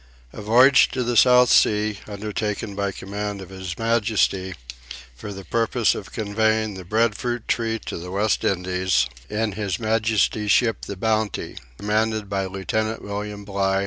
A VOYAGE TO THE SOUTH SEA, UNDERTAKEN BY COMMAND OF HIS MAJESTY, FOR THE PURPOSE OF CONVEYING THE BREAD FRUIT TREE TO THE WEST INDIES, IN HIS MAJESTY'S SHIP THE BOUNTY, COMMANDED BY LIEUTENANT WILLIAM BLIGH.